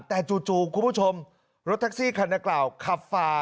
แต่จู่คุณผู้ชมรถแท็กซี่คันกล่าวขับฝ่า